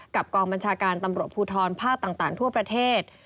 กับกองบัญชาการตำรวจผู้ท้อนภาพต่างทั่วประเทศ